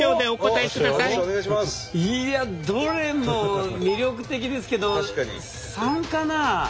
いやどれも魅力的ですけど３かな？